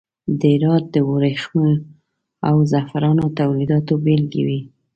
د هرات د وریښمو او زغفرانو تولیداتو بیلګې وې.